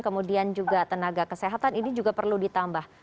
kemudian juga tenaga kesehatan ini juga perlu ditambah